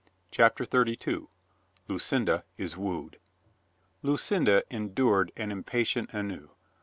CHAPTER THIRTY TWO LUCINDA IS WOOED LUCINDA endured an impatient ennui.